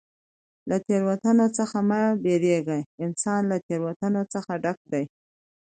له تېروتنو څخه مه بېرېږه! انسان له تېروتنو څخه ډک دئ.